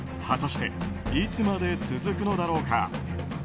果たしていつまで続くのだろうか。